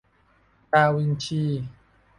ดาวินชี